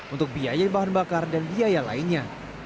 untuk biaya bahan bakar dan biaya lainnya